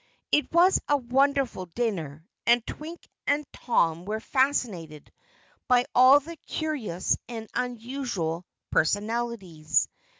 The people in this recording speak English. It was a wonderful dinner, and Twink and Tom were fascinated by all the curious and unusual personalities.